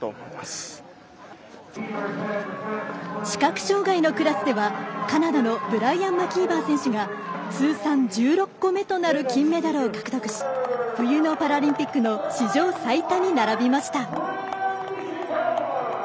視覚障がいのクラスではカナダのブライアン・マキーバー選手が通算１６個目となる金メダルを獲得し冬のパラリンピックの史上最多に並びました。